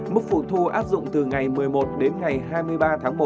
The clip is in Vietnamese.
mức phụ thu áp dụng từ ngày một mươi một đến ngày hai mươi ba tháng một